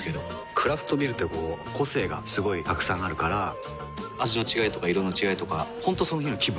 クラフトビールってこう個性がすごいたくさんあるから味の違いとか色の違いとか本当その日の気分。